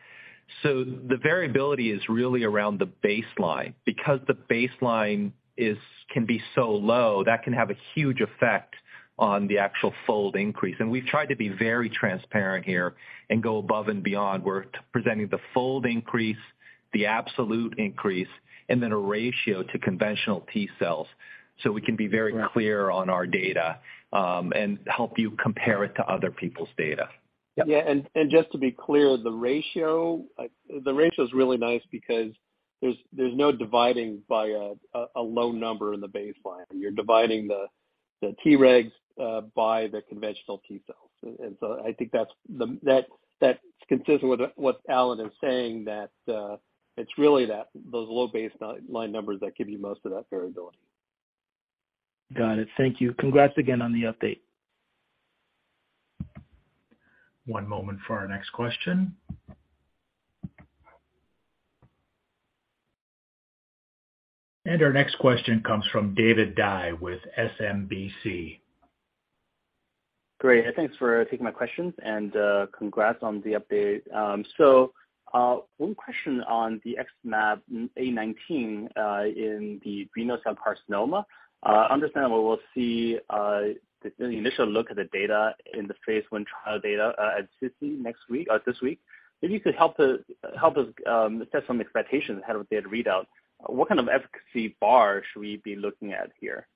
The variability is really around the baseline. Because the baseline is, can be so low, that can have a huge effect on the actual fold increase. We've tried to be very transparent here and go above and beyond. We're presenting the fold increase, the absolute increase, and then a ratio to conventional T cells, so we can be very- Right. Clear on our data, and help you compare it to other people's data. Yep. Yeah. Just to be clear, the ratio is really nice because there's no dividing by a low number in the baseline. You're dividing the Tregs by the conventional T cells. I think that's consistent with what Allen is saying, that it's really those low baseline numbers that give you most of that variability. Got it. Thank you. Congrats again on the update. One moment for our next question. Our next question comes from David Dai with SMBC. Great. Thanks for taking my questions, and congrats on the update. So, one question on the XmAb819 in the renal cell carcinoma. Understandably we'll see the initial look at the data in the phase one trial data at SITC next week or this week. Maybe you could help us set some expectations ahead of the readout. What kind of efficacy bar should we be looking at here?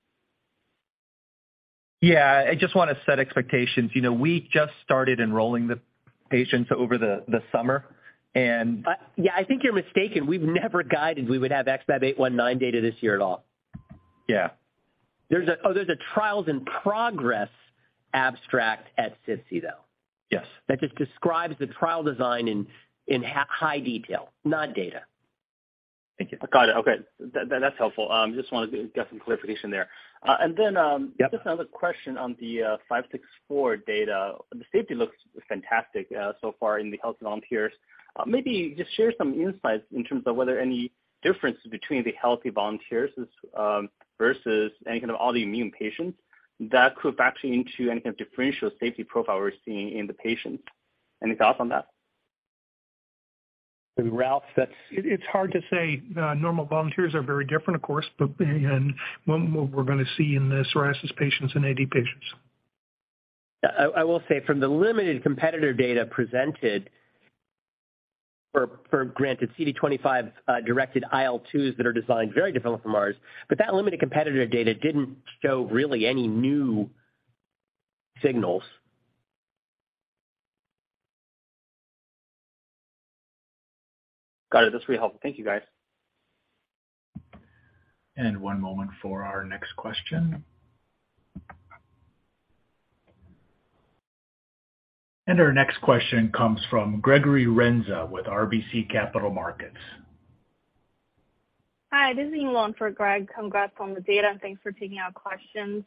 Yeah. I just wanna set expectations. You know, we just started enrolling the patients over the summer and- Yeah. I think you're mistaken. We've never guided we would have XmAb819 data this year at all. Yeah. There's a Trials in Progress abstract at SITC, though. Yes. That just describes the trial design in high detail, not data. Thank you. Got it. Okay. That's helpful. Just wanted to get some clarification there. Yeah. Just another question on the XmAb564 data. The safety looks fantastic so far in the healthy volunteers. Maybe just share some insights in terms of whether any difference between the healthy volunteers versus any kind of autoimmune patients that could factor into any kind of differential safety profile we're seeing in the patients. Any thoughts on that? Ralph said. It's hard to say. Normal volunteers are very different, of course, but and what we're gonna see in the psoriasis patients and AD patients. I will say from the limited competitor data presented for CD25-directed IL-2s that are designed very differently from ours, but that limited competitor data didn't show really any new signals. Got it. That's really helpful. Thank you, guys. One moment for our next question. Our next question comes from Gregory Renza with RBC Capital Markets. Hi, this is Ying Lu for Greg. Congrats on the data and thanks for taking our questions.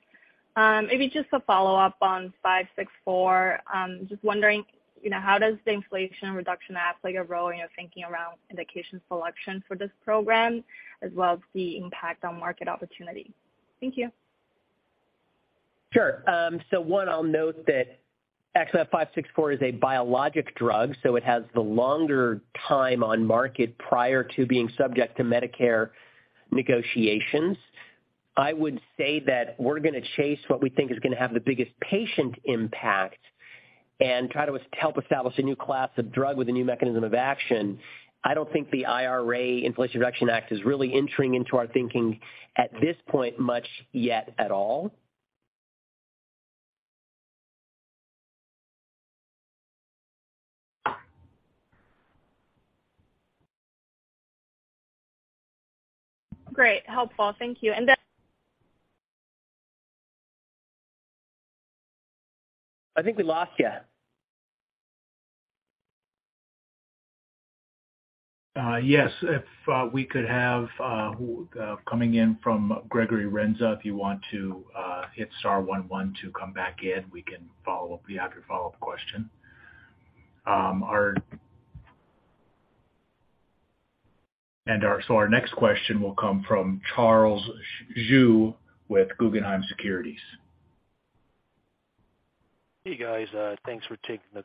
Maybe just a follow-up on XmAb564. Just wondering, you know, how does the Inflation Reduction Act play a role in your thinking around indication selection for this program as well as the impact on market opportunity? Thank you. Sure. One, I'll note that XmAb564 is a biologic drug, so it has the longer time on market prior to being subject to Medicare negotiations. I would say that we're gonna chase what we think is gonna have the biggest patient impact and try to help establish a new class of drug with a new mechanism of action. I don't think the IRA, Inflation Reduction Act, is really entering into our thinking at this point much yet at all. Great. Helpful. Thank you. I think we lost you. Yes, if we could have coming in from Gregory Renza, if you want to hit star one one to come back in, we can follow up. You have your follow-up question. So our next question will come from Yatin Suneja with Guggenheim Securities. Hey, guys, thanks for taking the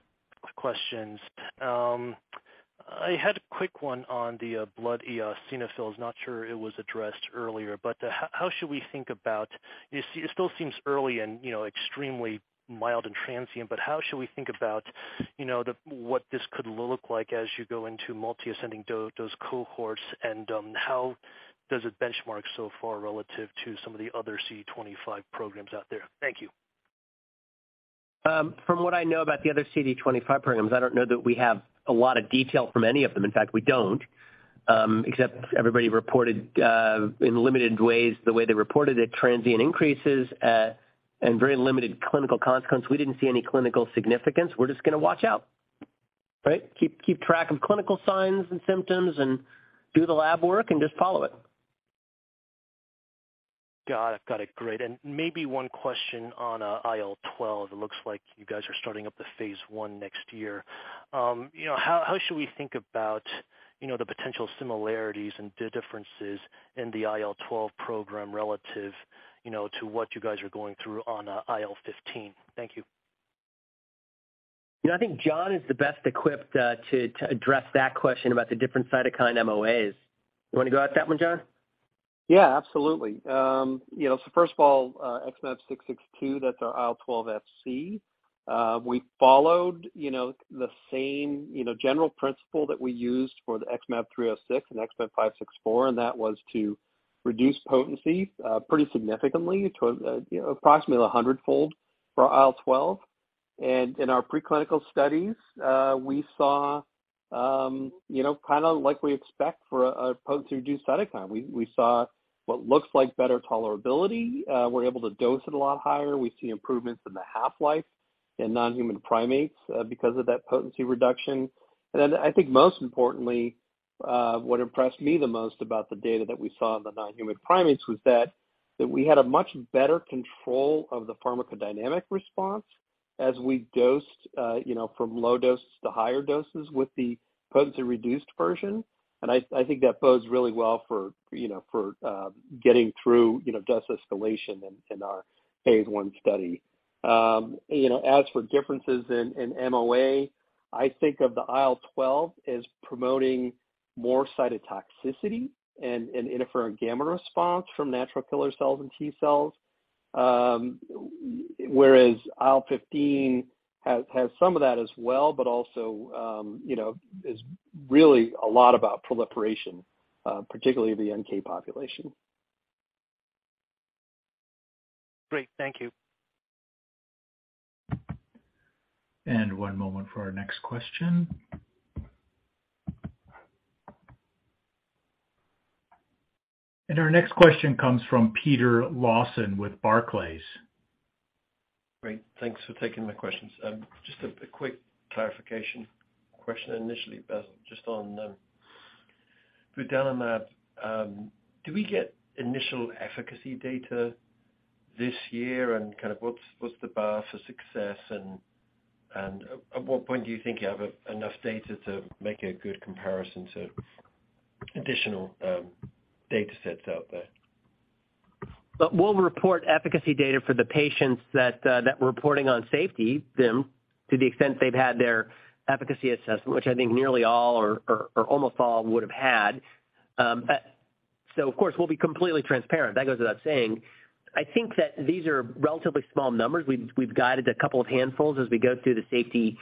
questions. I had a quick one on the blood eosinophils. Not sure it was addressed earlier, but how should we think about it. It still seems early and, you know, extremely mild and transient, but how should we think about, you know, what this could look like as you go into multiple ascending dose cohorts, and how does it benchmark so far relative to some of the other CD25 programs out there? Thank you. From what I know about the other CD25 programs, I don't know that we have a lot of detail from any of them. In fact, we don't, except everybody reported, in limited ways, the way they reported it, transient increases, and very limited clinical consequence. We didn't see any clinical significance. We're just gonna watch out, right? Keep track of clinical signs and symptoms and do the lab work and just follow it. Got it. Great. Maybe one question on IL-12. It looks like you guys are starting up the phase I next year. You know, how should we think about the potential similarities and differences in the IL-12 program relative to what you guys are going through on IL-15? Thank you. You know, I think John is the best equipped to address that question about the different cytokine MOAs. You wanna go at that one, John? Yeah, absolutely. You know, so first of all, XmAb662, that's our IL-12 Fc. We followed, you know, the same, you know, general principle that we used for the XmAb306 and XmAb564, and that was to reduce potency, pretty significantly to, you know, approximately 100-fold for IL-12. In our preclinical studies, we saw, you know, kinda like we expect for a potency-reduced cytokine. We saw what looks like better tolerability. We're able to dose it a lot higher. We see improvements in the half-life in non-human primates, because of that potency reduction. I think most importantly, what impressed me the most about the data that we saw in the non-human primates was that we had a much better control of the pharmacodynamic response as we dosed, you know, from low doses to higher doses with the potency-reduced version. I think that bodes really well for, you know, getting through, you know, dose escalation in our phase one study. You know, as for differences in MOA, I think of the IL-12 as promoting more cytotoxicity and interferon gamma response from natural killer cells and T cells. Whereas IL-15 has some of that as well, but also, you know, is really a lot about proliferation, particularly the NK population. Great. Thank you. One moment for our next question. Our next question comes from Peter Lawson with Barclays. Great. Thanks for taking my questions. Just a quick clarification question initially, Bassil, just on durvalumab. Do we get initial efficacy data this year and kind of what's the bar for success and at what point do you think you have enough data to make a good comparison to additional data sets out there? We'll report efficacy data for the patients that we're reporting on for safety to the extent they've had their efficacy assessment, which I think nearly all or almost all would have had. Of course, we'll be completely transparent, that goes without saying. I think that these are relatively small numbers. We've guided a couple of handfuls as we go through the safety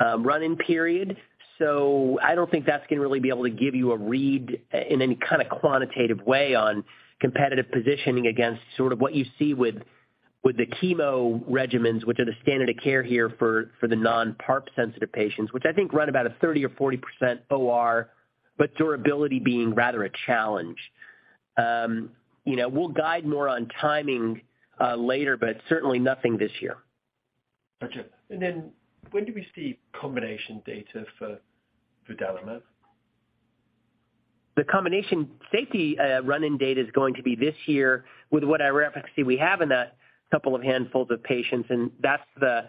run-in period. I don't think that's gonna really be able to give you a read in any kinda quantitative way on competitive positioning against sort of what you see with the chemo regimens, which are the standard of care here for the non-PARP-sensitive patients, which I think run about a 30%-40% OR, but durability being rather a challenge. You know, we'll guide more on timing later, but certainly nothing this year. Gotcha. When do we see combination data for vudalimab? The combination safety run-in data is going to be this year with the efficacy we have in that couple of handfuls of patients, and that's the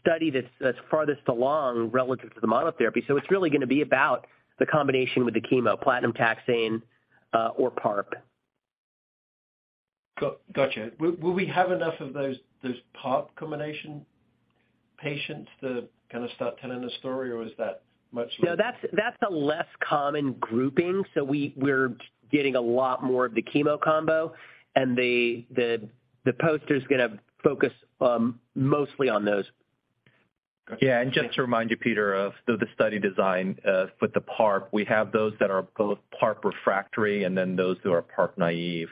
study that's farthest along relative to the monotherapy. It's really gonna be about the combination with the chemo platinum taxane, or PARP. Gotcha. Will we have enough of those PARP combination patients to kind of start telling a story or is that much- No, that's a less common grouping, so we're getting a lot more of the chemo combo and the poster's gonna focus mostly on those. Okay. Yeah. Just to remind you, Peter, of the study design with the PARP, we have those that are both PARP refractory and then those who are PARP naive.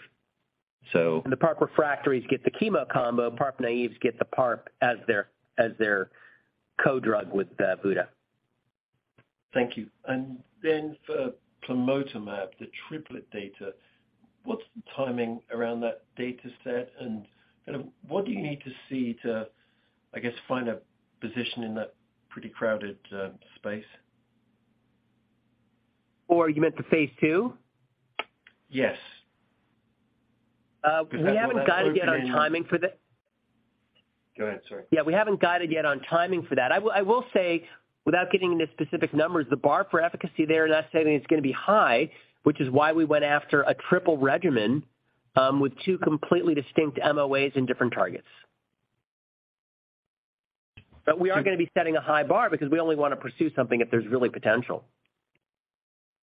So- The PARP refractories get the chemo combo, PARP naives get the PARP as their co-drug with vudalimab. Thank you. For plamotamab, the triplet data, what's the timing around that data set and kind of what do you need to see to, I guess, find a position in that pretty crowded space? Oh, you meant the phase II? Yes. We haven't guided yet on timing for the. Go ahead, sorry. Yeah, we haven't guided yet on timing for that. I will say, without getting into specific numbers, the bar for efficacy there, and I'm saying it's gonna be high, which is why we went after a triple regimen, with two completely distinct MOAs and different targets. We are gonna be setting a high bar because we only wanna pursue something if there's really potential.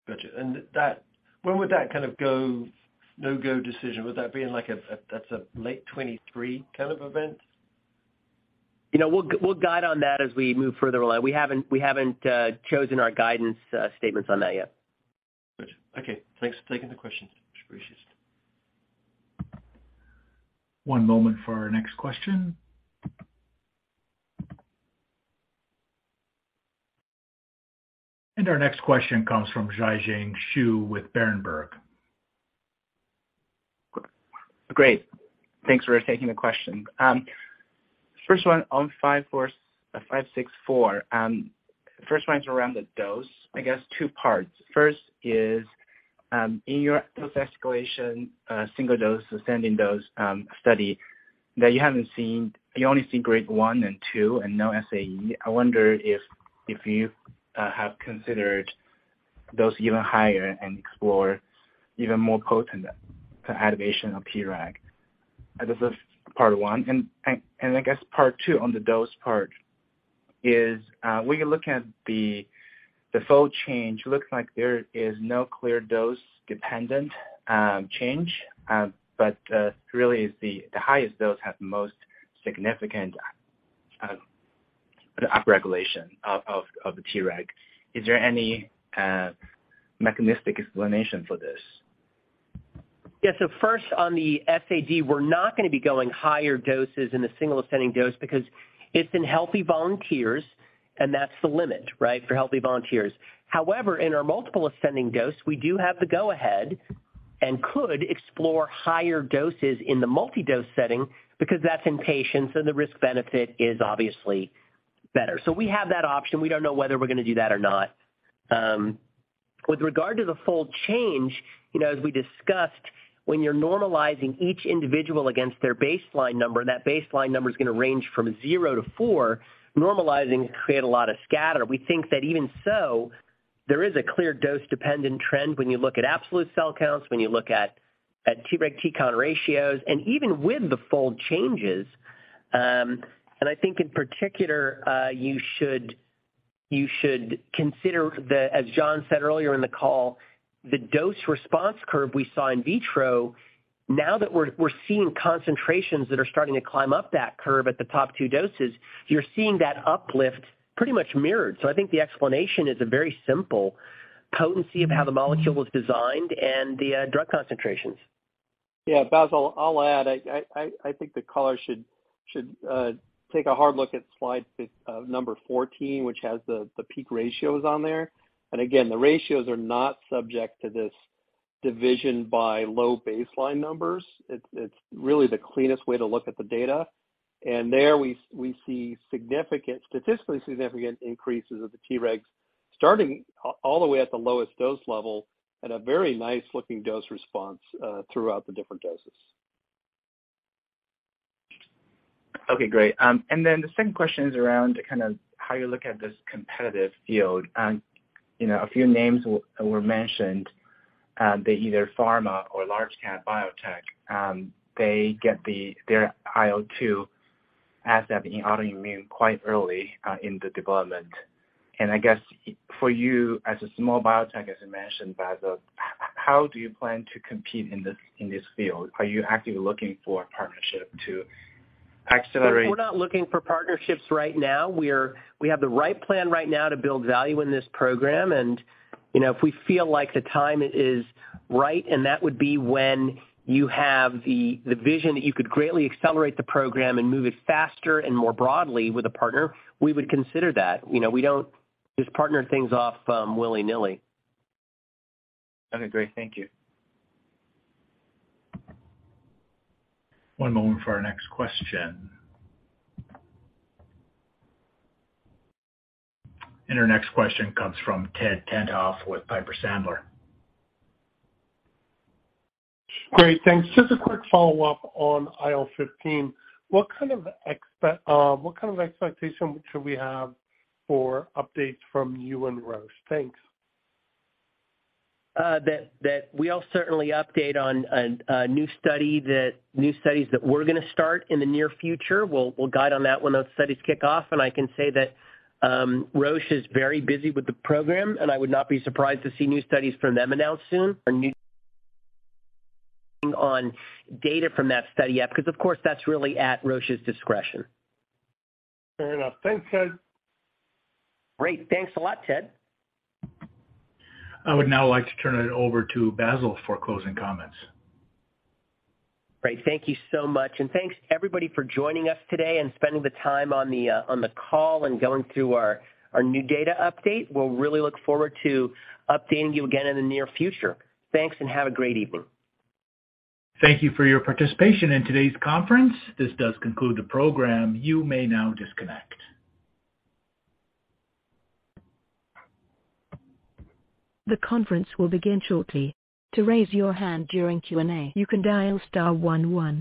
Gotcha. When would that kind of go-no-go decision be like a late 2023 kind of event? You know, we'll guide on that as we move further along. We haven't chosen our guidance statements on that yet. Gotcha. Okay. Thanks for taking the question. It's appreciated. One moment for our next question. Our next question comes from Zhiqiang Shu with Berenberg. Great. Thanks for taking the question. First one on XmAb564. First one's around the dose. I guess two parts. First is, in your dose escalation, single dose, ascending dose study that you haven't seen. You only see grade one and two and no SAE. I wonder if you have considered dose even higher and explore even more potent the activation of Treg. This is part one. I guess part two on the dose part is, when you're looking at the fold change, looks like there is no clear dose-dependent change, but really is the highest dose have the most significant, the upregulation of the Treg. Is there any mechanistic explanation for this? Yeah. First on the SAD, we're not gonna be going higher doses in a single ascending dose because it's in healthy volunteers, and that's the limit, right, for healthy volunteers. However, in our multiple ascending dose, we do have the go ahead and could explore higher doses in the multi-dose setting because that's in patients and the risk-benefit is obviously better. We have that option. We don't know whether we're gonna do that or not. With regard to the fold change, you know, as we discussed, when you're normalizing each individual against their baseline number, and that baseline number is gonna range from 0-4, normalizing can create a lot of scatter. We think that even so, there is a clear dose-dependent trend when you look at absolute cell counts, when you look at Treg Tcon ratios, and even with the fold changes, and I think in particular, you should consider the, as John said earlier in the call, the dose-response curve we saw in vitro, now that we're seeing concentrations that are starting to climb up that curve at the top two doses, you're seeing that uplift pretty much mirrored. I think the explanation is a very simple potency of how the molecule was designed and the drug concentrations. Yeah. Basil, I'll add. I think the caller should take a hard look at slide 14, which has the peak ratios on there. Again, the ratios are not subject to this division by low baseline numbers. It's really the cleanest way to look at the data. There we see significant, statistically significant increases of the Tregs starting all the way at the lowest dose level and a very nice-looking dose response throughout the different doses. Okay, great. The second question is around kind of how you look at this competitive field. You know, a few names were mentioned, they either pharma or large cap biotech, they get their IL-2 asset in autoimmune quite early in the development. I guess for you as a small biotech, as you mentioned, Bassil, how do you plan to compete in this field? Are you actively looking for a partnership to accelerate- We're not looking for partnerships right now. We have the right plan right now to build value in this program. You know, if we feel like the time is right, and that would be when you have the vision that you could greatly accelerate the program and move it faster and more broadly with a partner, we would consider that. You know, we don't just partner things off willy-nilly. Okay, great. Thank you. One moment for our next question. Our next question comes from Edward Tenthoff with Piper Sandler. Great. Thanks. Just a quick follow-up on IL-15. What kind of expectation should we have for updates from you and Roche? Thanks. We'll certainly update on new studies that we're gonna start in the near future. We'll guide on that when those studies kick off. I can say that Roche is very busy with the program, and I would not be surprised to see new studies from them announced soon or new data from that study yet, because of course, that's really at Roche's discretion. Fair enough. Thanks, Ted. Great. Thanks a lot, Ted. I would now like to turn it over to Bassil for closing comments. Great. Thank you so much. Thanks everybody for joining us today and spending the time on the call and going through our new data update. We'll really look forward to updating you again in the near future. Thanks, and have a great evening. Thank you for your participation in today's conference. This does conclude th e program. You may now disconnect. The conference will begin shortly. To raise your hand during Q&A, you can dial star one one.